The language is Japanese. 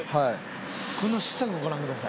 この下をご覧ください。